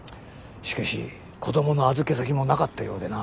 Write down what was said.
しかし子供の預け先もなかったようでな。